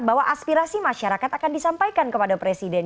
bahwa aspirasi masyarakat akan disampaikan kepada presiden